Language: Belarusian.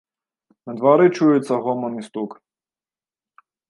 На двары чуецца гоман і стук.